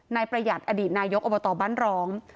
นายประหลาดอดีตนายยกระบวัตรบั้นรอง